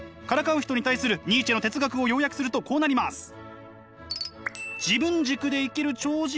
からかう人に対するニーチェの哲学を要約するとこうなります。